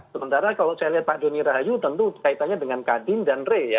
sementara kalau saya lihat pak doni rahayu tentu kaitannya dengan kadin dan re ya